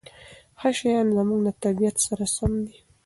ښه شیان زموږ د طبیعت سره سم دي.